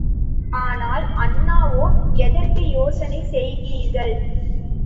ஆனால் அண்ணாவோ, எதற்கு யோசனை செய்கிறீர்கள்?